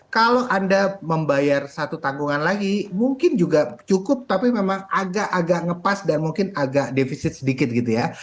kalau anda membayar satu tanggungan lagi mungkin juga cukup tapi memang agak agak ngepas dan mungkin agak defisit sedikit gitu ya